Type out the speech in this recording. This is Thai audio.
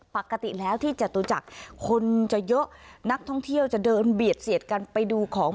ปกติแล้วที่จตุจักรคนจะเยอะนักท่องเที่ยวจะเดินเบียดเสียดกันไปดูของ